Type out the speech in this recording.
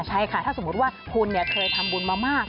ใช่ค่ะถ้าสมมุติว่าคุณเคยทำบุญมามาก